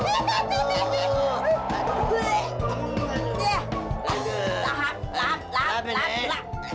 lahat lahat lahat lahat